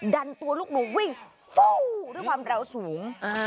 ดันตัวลูกหนูวิ่งฟู้ด้วยความแบบสูงอ่า